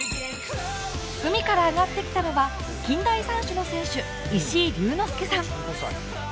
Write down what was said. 海から上がってきたのは近代三種の選手、石井琉之介さん。